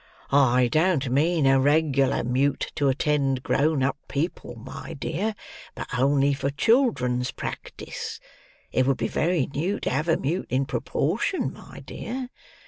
"I don't mean a regular mute to attend grown up people, my dear, but only for children's practice. It would be very new to have a mute in proportion, my dear.